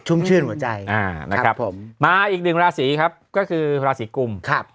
ชุ่มเชื่อนหัวใจนะครับมาอีกหนึ่งราศีครับก็คือราศีกุม